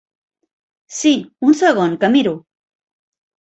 Si, un segon que miro.